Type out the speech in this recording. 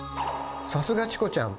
さすがチコちゃん！